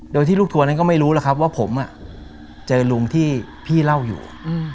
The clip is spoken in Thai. โดยที่ลูกทัวร์นั้นก็ไม่รู้แล้วครับว่าผมเจอลุงที่พี่เล่าอยู่